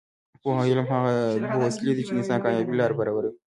پوهه او علم هغه دوه وسلې دي چې د انسان د کامیابۍ لاره برابروي.